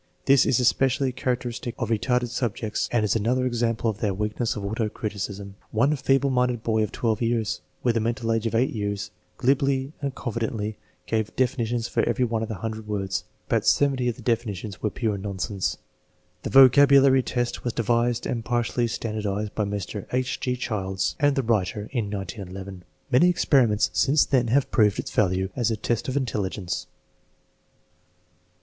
This is especially characteristic of re tarded subjects and is another example of their weakness of auto criticism. One feeble minded boy of 1 years, with a mental age of 8 years, glibly and confidently gave defini tions for every one of the hundred words. About 70 of the definitions were pure nonsense. The vocabulary test was devised and partially standard ized by Mr. H. G. Childs and the writer in 1911. Many experiments since then have proved its value as a test of intelligence.